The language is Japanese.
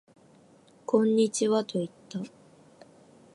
こんにちはと言った